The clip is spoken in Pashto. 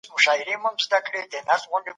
الله جل جلاله مهربان دئ.